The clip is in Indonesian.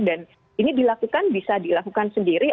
dan ini dilakukan bisa dilakukan sendiri